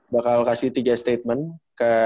bakal kasih tiga statement ke